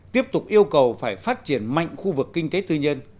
tiếp tục yêu cầu phải phát triển mạnh khu vực kinh tế tư nhân